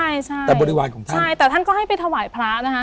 ใช่ใช่แต่บริวารของท่านใช่แต่ท่านก็ให้ไปถวายพระนะคะ